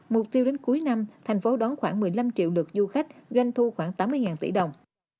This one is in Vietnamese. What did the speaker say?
mục tiêu đến cuối năm thành phố đón khoảng một mươi năm triệu lượt du khách doanh thu khoảng tám mươi tỷ đồng